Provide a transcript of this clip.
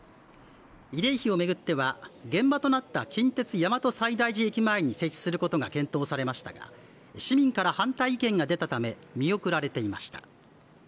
慰霊碑を巡っては、現場となった近鉄大和西大寺駅前に設置することが検討されましたが市民から反対意見が出たため見送られていました。